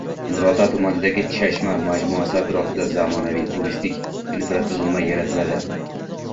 Nurota tumanidagi «Chashma” majmuasi atrofida zamonaviy turistik infratuzilma yaratiladi